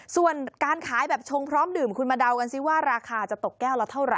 ส่วนการขายแบบชงพร้อมดื่มคุณมาเดากันสิว่าราคาจะตกแก้วละเท่าไ